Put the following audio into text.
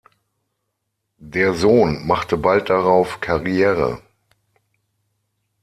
Der Sohn machte bald darauf Karriere.